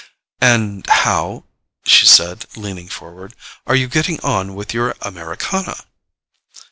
"And how," she said, leaning forward, "are you getting on with your Americana?"